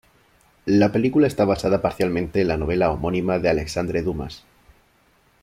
La película está basada parcialmente en la novela homónima de Alexandre Dumas.